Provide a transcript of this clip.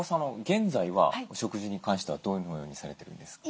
現在はお食事に関してはどのようにされてるんですか？